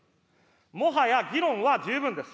もはや議論は十分です。